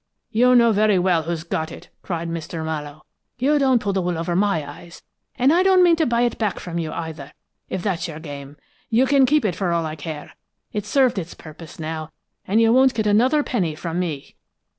"'You know very well who's got it!' cried Mr. Mallowe. 'You don't pull the wool over my eyes! And I don't mean to buy it back from you, either, if that's your game. You can keep it, for all I care; it's served its purpose now, and you won't get another penny from me!'